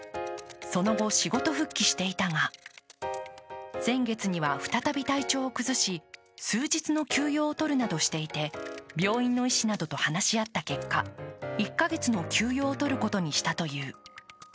その後、仕事復帰していたが、先月には再び体調を崩し、数日の休養を取るなどしていて、病院の医師などと話し合った結果、１か月の休養をとることにしたという。